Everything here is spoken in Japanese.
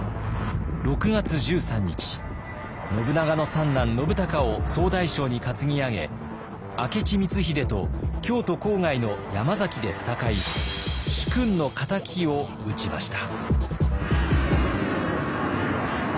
信長の三男信孝を総大将に担ぎ上げ明智光秀と京都郊外の山崎で戦い主君の敵を討ちました。